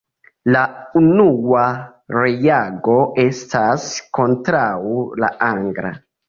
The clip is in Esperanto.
La unua reago estas kontraŭ la angla.